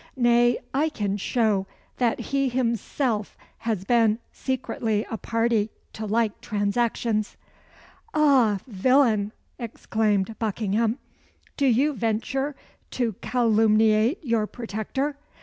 Nay, I can show that he himself has been secretly a party to like transactions." "Ah, villain!" exclaimed Buckingham, "do you venture to calumniate your protector?